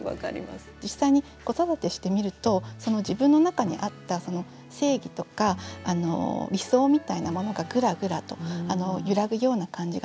実際に子育てしてみると自分の中にあった正義とか理想みたいなものがぐらぐらと揺らぐような感じがする。